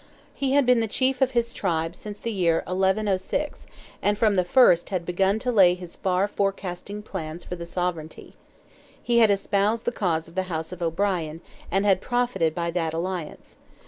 He had been chief of his tribe since the year 1106, and from the first had begun to lay his far forecasting plans for the sovereignty. He had espoused the cause of the house of O'Brien, and had profited by that alliance.